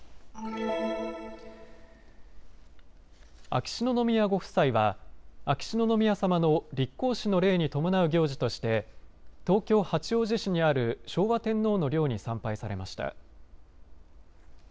秋篠宮ご夫妻は秋篠宮さまの立皇嗣の礼に伴う行事として東京八王子市にある昭和天皇の陵に参拝されました。